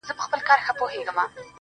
قرآن، انجیل، تلمود، گیتا به په قسم نیسې.